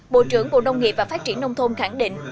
bộ trưởng bộ nông nghiệp và phát triển nông thôn khẳng định